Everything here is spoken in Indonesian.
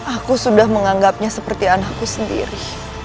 aku sudah menganggapnya seperti anakku sendiri